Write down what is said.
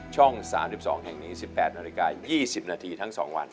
ช่อง๓๒แห่งนี้๑๘นาฬิกา๒๐นาทีทั้ง๒วัน